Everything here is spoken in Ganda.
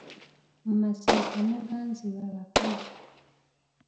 Mu masiro temuganzirwa bakazi.